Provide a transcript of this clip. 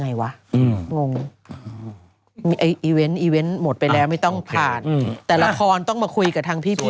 แล้วพี่มีคำว่า